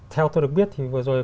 theo tôi được biết thì vừa rồi